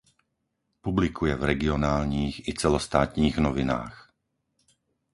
Publikuje v regionálních i celostátních novinách.